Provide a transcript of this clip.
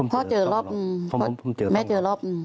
พ่อเจอรอบแม่เจอรอบ